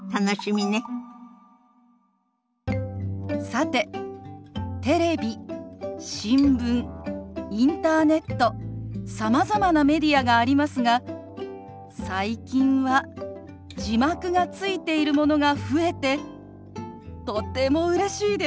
さてテレビ新聞インターネットさまざまなメディアがありますが最近は字幕がついているものが増えてとてもうれしいです。